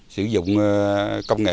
sử dụng công nghiệp